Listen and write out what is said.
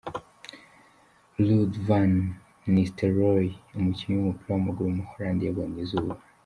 Ruud van Nistelrooy, umukinnyi w’umupira w’amaguru w’umuholandi yabonye izuba.